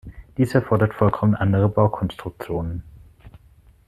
Dies erfordert vollkommen andere Baukonstruktionen.